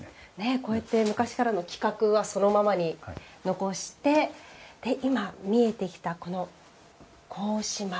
こうやって昔からの規格はそのままに残して今、見えてきたこの格子窓。